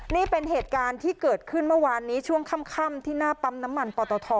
นี่เป็นเหตุการณ์ที่เกิดขึ้นเมื่อวานนี้ช่วงค่ำที่หน้าปั๊มน้ำมันปอตท